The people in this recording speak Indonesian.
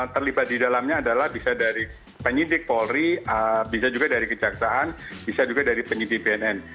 terlibat di dalamnya adalah bisa dari penyidik polri bisa juga dari kejaksaan bisa juga dari penyidik bnn